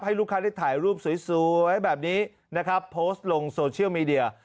ลูกค้าได้ถ่ายรูปสวยแบบนี้นะครับโพสต์ลงโซเชียลมีเดีย